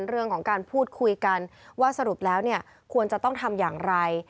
เรื่องของการพูดคุยกันว่าสรุปแล้วเนี่ยควรจะต้องทำอย่างไร